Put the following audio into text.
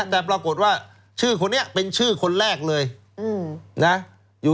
แต่ปรากฏว่าชื่อคนนี้เป็นชื่อคนแรกเลยนะ